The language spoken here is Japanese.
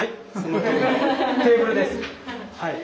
はい！